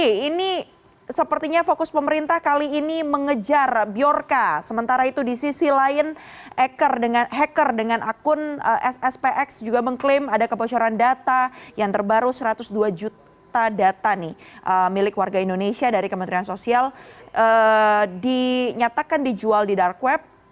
oke ini sepertinya fokus pemerintah kali ini mengejar bjorka sementara itu di sisi lain hacker dengan akun sspx juga mengklaim ada kebocoran data yang terbaru satu ratus dua juta data nih milik warga indonesia dari kementerian sosial dinyatakan dijual di dark web